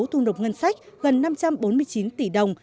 thu nộp ngân sách gần năm trăm bốn mươi chín tỷ đồng